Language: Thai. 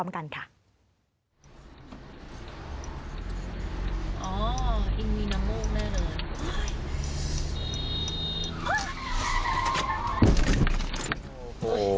อ๋อยิงมีน้ำมุกแน่เลย